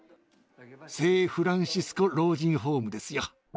聖フランシスコ老人ホームですよ。